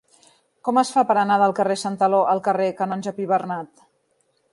Com es fa per anar del carrer de Santaló al carrer del Canonge Pibernat?